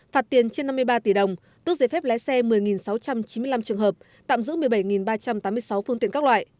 phạt tiền trên năm mươi ba tỷ đồng tước giấy phép lái xe một mươi sáu trăm chín mươi năm trường hợp tạm giữ một mươi bảy ba trăm tám mươi sáu phương tiện các loại